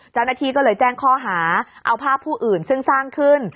เจ้าหน้าที่ก็เลยแจ้งข้อหาเอาภาพผู้อื่นซึ่งสร้างขึ้น